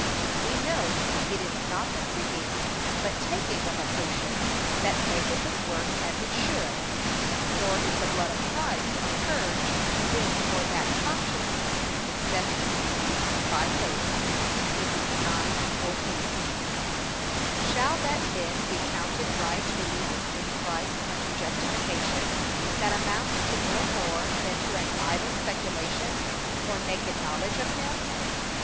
We know it is not the seeing, but taking of a potion, that maketh it work as it should, nor is the blood of Christ a purge to this or that conscience, except received by faith. (Heb. 9:14) Shall that then be counted right believing in Christ unto justification, that amounts to no more than to an idle speculation, or naked knowledge of him?